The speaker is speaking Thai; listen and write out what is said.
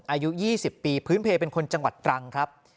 อายุ๒๐ปีพื้นเพลเป็นคนจังหวัดตรังครับ